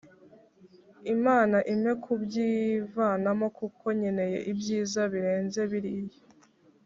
Imana ime kubyivanamo kuko nkeneye ibyiza birenze biriya